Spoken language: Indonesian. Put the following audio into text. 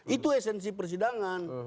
itu esensi persidangan